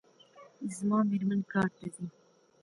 زما میرمن کار ته ځي